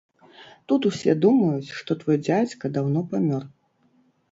Тут усе думаюць, што твой дзядзька даўно памёр.